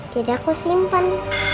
jadi aku simpan